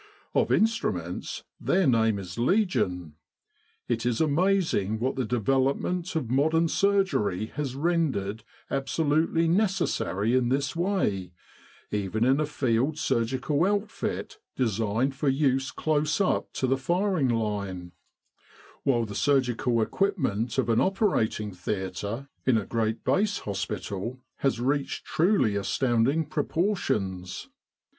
Of instru ments their name is Legion. It is amazing what the development of modern surgery has rendered abso lutely necessary in this way, even in a Field Surgical Outfit designed for use close up to the firing line; while the surgical equipment of an operating theatre in a great base hospital has reached truly astounding proportions.